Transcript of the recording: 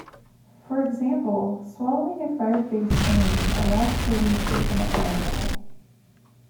For example, swallowing a fire-based enemy allows Kirby to become a fireball.